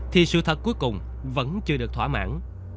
thì sự thật cuối cùng vẫn chưa được thỏa mãn